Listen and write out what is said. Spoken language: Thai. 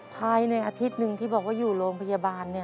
ภายในอาทิตย์หนึ่งที่บอกว่าอยู่โรงพยาบาล